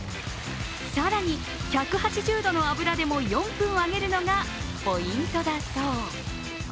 更に１８０度の油でも４分揚げるのがポイントだそう。